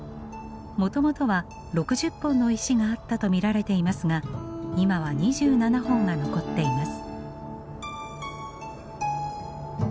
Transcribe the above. もともとは６０本の石があったと見られていますが今は２７本が残っています。